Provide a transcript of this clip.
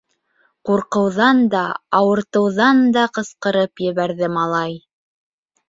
Ҡурҡыуҙан да, ауыртыуҙан да ҡысҡырып ебәрҙе малай: